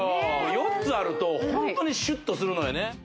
４つあるとホントにシュッとするのよね